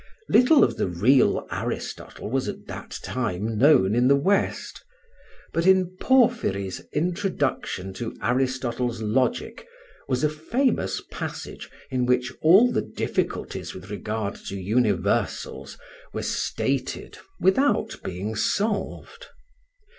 Little of the real Aristotle was at that time known in the West; but in Porphyry's Introduction to Aristotle's Logic was a famous passage, in which all the difficulties with regard to universals were stated without being solved.